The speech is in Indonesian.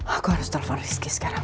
aku harus telfon rizky sekarang